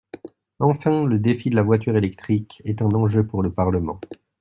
Enfin, le défi de la voiture électrique est un enjeu pour le Parlement.